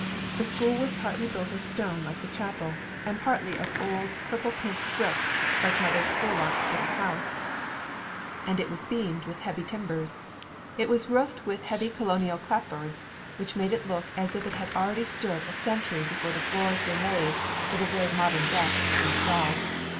The school was built partly of stone like the chapel and partly of old purple pink brick like Mother Spurlock's Little House, and it was beamed with heavy timbers. It was roofed with heavy colonial clapboards which made it look as if it had already stood a century before the floors were laid or the very modern desks installed.